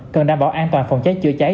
cần đảm bảo an toàn phòng cháy chữa cháy